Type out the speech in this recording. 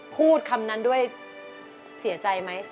พูดคำนั้นด้วยเสียใจไหม